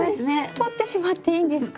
とってしまっていいんですか？